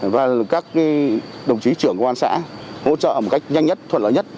và các đồng chí trưởng công an xã hỗ trợ một cách nhanh nhất thuận lợi nhất